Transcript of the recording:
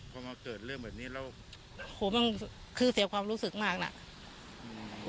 พอมาเกิดเรื่องแบบนี้แล้วโหมันคือเสียความรู้สึกมากน่ะอืม